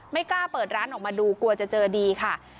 ไม่กล้าเปิดร้านออกมาดูกลัวจะเจอดีค่ะ